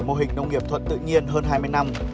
mô hình nông nghiệp thuận tự nhiên hơn hai mươi năm